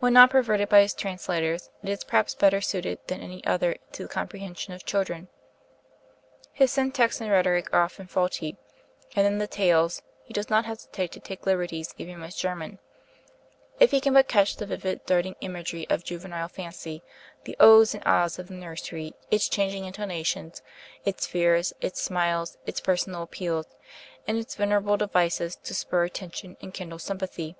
When not perverted by his translators, it is perhaps better suited than any other to the comprehension of children. His syntax and rhetoric are often faulty; and in the 'Tales' he does not hesitate to take liberties even with German, if he can but catch the vivid, darting imagery of juvenile fancy, the "ohs" and "ahs" of the nursery, its changing intonations, its fears, its smiles, its personal appeals, and its venerable devices to spur attention and kindle sympathy.